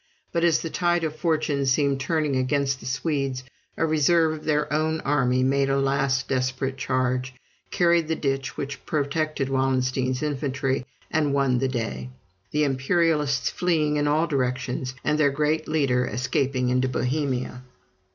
But as the tide of fortune seemed turning against the Swedes, a reserve of their own army made a last desperate charge, carried the ditch which protected Wallenstein's infantry, and won the day; the Imperialists fleeing in all directions and their great leader escaping into Bohemia.